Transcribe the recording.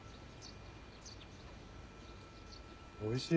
おいしい！